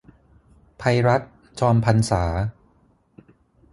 ไพรัช จอมพรรษา